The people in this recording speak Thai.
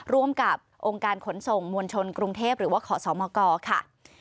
ร่วมกับองค์การขนส่งมวลชนกรุงเทพหรือว่าขอสมกค่ะ